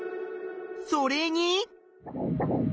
それに。